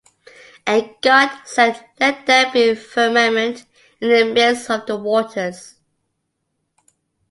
And God said, Let there be a firmament in the midst of the waters.